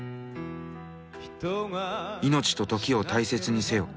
命と時を大切にせよ。